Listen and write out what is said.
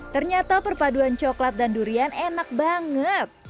ternyata perpaduan coklat dan durian enak banget